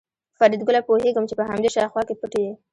فریدګله پوهېږم چې په همدې شاوخوا کې پټ یې